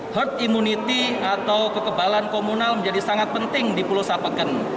herd immunity atau kekebalan komunal menjadi sangat penting di pulau sapeken